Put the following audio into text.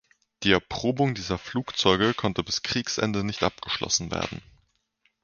Die Erprobung dieser Flugzeuge konnte bis Kriegsende nicht abgeschlossen werden.